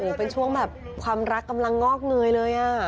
โอ้โฮเป็นช่วงแบบความรักกำลังงอกเหนื่อยเลย